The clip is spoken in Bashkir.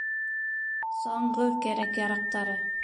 Саңғы кәрәк-ярҡтары